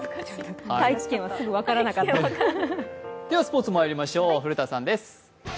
スポーツまいりましょう、古田さんです。